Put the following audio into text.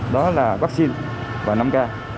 đó là vaccine và năm k